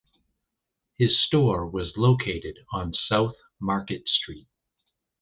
His store was located on South Market Street.